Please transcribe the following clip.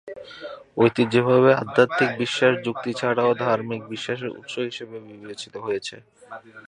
ঐতিহ্যগতভাবে, আধ্যাত্মিক বিশ্বাস, যুক্তি ছাড়াও, ধর্মীয় বিশ্বাসের উৎস হিসাবে বিবেচিত হয়েছে।